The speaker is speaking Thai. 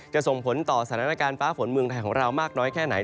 ส่งผลต่อสถานการณ์ฟ้าฝนเมืองไทยของเรามากน้อยแค่ไหน